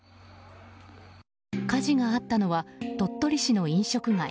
火事があったのは鳥取市の飲食街。